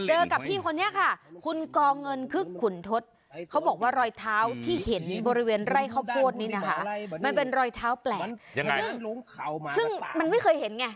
กับพี่คนนี้ค่ะคุณกองเงินคึกขุนทศเขาบอกว่ารอยเท้าที่เห็นบริเวณไร่ข้าวโพดนี้นะคะมันเป็นรอยเท้าแปลกซึ่งมันไม่เคยเห็นไง